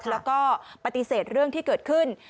แล้วก็ปฏิเสธเรื่องที่เกิดขึ้น